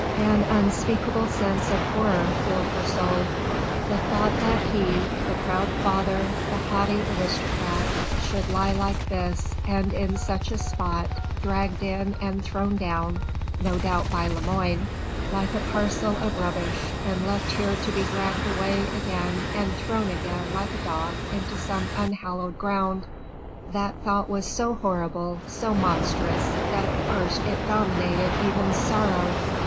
An unspeakable sense of horror filled her soul. The thought that he the proud father, the haughty aristocrat, should lie like this and in such a spot, dragged in and thrown down no doubt by Lemoine like a parcel of rubbish and left here to be dragged away again and thrown again like a dog into some unhallowed ground that thought was so horrible, so monstrous, that at first it dominated even sorrow.